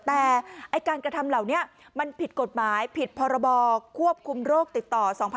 แต่การกระทำเหล่านี้มันผิดกฎหมายผิดพรบควบคุมโรคติดต่อ๒๕๖๒